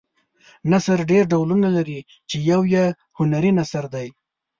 نثر ډېر ډولونه لري چې یو یې هنري نثر دی.